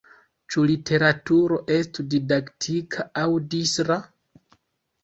Ĉu literaturo estu didaktika aŭ distra?